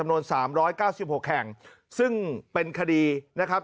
สามร้อยเก้าสิบหกแข่งซึ่งเป็นคดีนะครับ